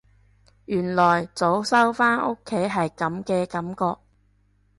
原來早收返屋企係噉嘅感覺